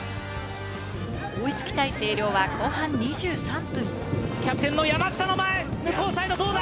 追いつきたい星稜は後半２３分。